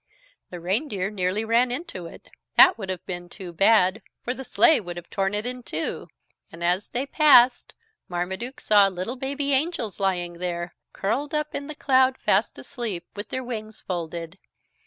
The reindeer nearly ran into it. That would have been too bad, for the sleigh would have torn it in two. And as they passed, Marmaduke saw little baby angels lying there, curled up in the cloud, fast asleep, with their wings folded.